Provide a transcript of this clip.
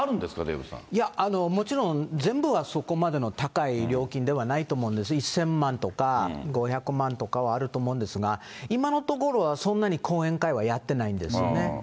いや、もう全部は、そこまでは高い料金ではないと思うんです、１０００万とか５００万とかはあると思うんですが、今のところは、そんなに講演会はやってないんですよね。